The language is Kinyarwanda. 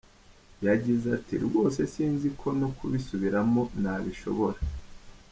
Yagize ati “ Rwose sinzi ko no kubisubiramo nabishobora.